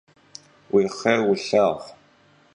Yi xhêr vulhağu!